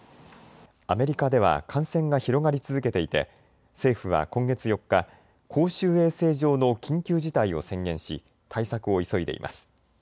アメリカでは感染が広がり続けていて政府は今月４日、公衆衛生上の緊急事態を宣言し対策を急いでいます。